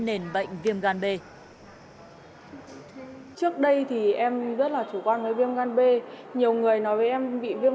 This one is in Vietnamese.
nền bệnh viêm gan b trước đây thì em rất là chủ quan với viêm gan b nhiều người nói với em bị viêm